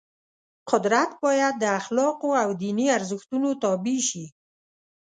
قدرت باید د اخلاقو او دیني ارزښتونو تابع شي.